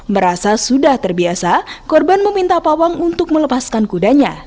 merasa sudah terbiasa korban meminta pawang untuk melepaskan kudanya